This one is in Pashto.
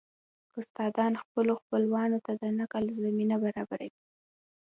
استادان خپلو خپلوانو ته د نقل زمينه برابروي